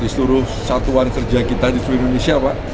di seluruh satuan kerja kita di seluruh indonesia pak